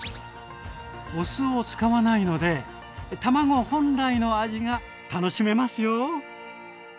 お酢を使わないので卵本来の味が楽しめますよ。